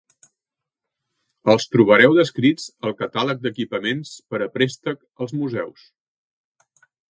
Els trobareu descrits al "Catàleg d'equipaments per a préstec als museus".